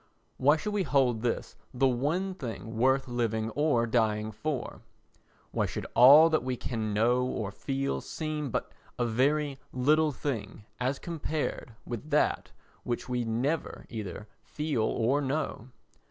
Why should we hold this the one thing worth living or dying for? Why should all that we can know or feel seem but a very little thing as compared with that which we never either feel or know?